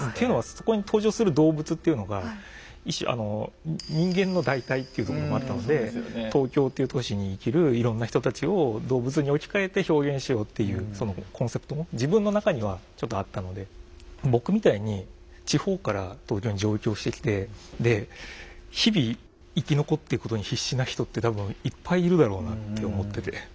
そこに登場する動物っていうのが一種人間の代替っていうとこもあったので東京っていう都市に生きるいろんな人たちを動物に置き換えて表現しようっていうそのコンセプトも自分の中にはちょっとあったので僕みたいに地方から東京に上京してきてで日々生き残っていくことに必死な人って多分いっぱいいるだろうなって思ってて。